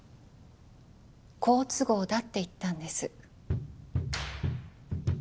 好都合だって言ったんです